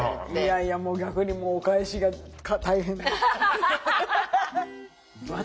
いやいやもう逆にお返しが大変。